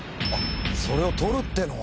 それを撮るっての？